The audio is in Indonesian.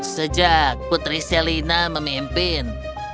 sejak putri selena memimpin